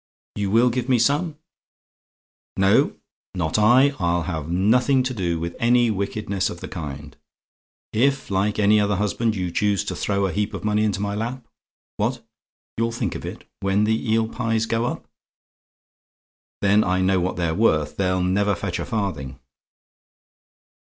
"YOU WILL GIVE ME SOME? "Not I I'll have nothing to do with any wickedness of the kind. If, like any other husband, you choose to throw a heap of money into my lap what? "YOU'LL THINK OF IT? WHEN THE EEL PIES GO UP? "Then I know what they're worth they'll never fetch a farthing."